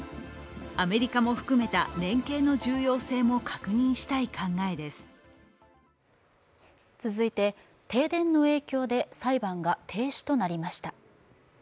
アメリカも含めた連携の重要性も確認したい考えです続いて、停電の影響で裁判が停止となりました。